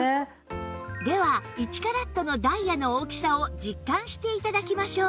では１カラットのダイヤの大きさを実感して頂きましょう